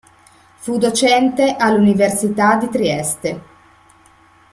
Fu docente all'Università di Trieste.